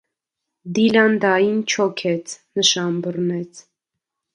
Դիլան դային չոքեց, նշան բռնեց: